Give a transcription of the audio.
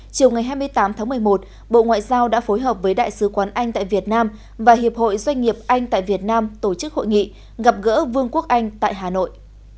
chiều ngày hai mươi tám tháng một mươi một bộ ngoại giao đã phối hợp với đại sứ quán anh tại việt nam và hiệp hội doanh nghiệp anh tại việt nam tổ chức hội nghị gặp gỡ vương quốc anh tại hà nội